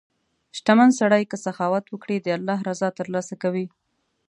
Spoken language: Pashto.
• شتمن سړی که سخاوت وکړي، د الله رضا ترلاسه کوي.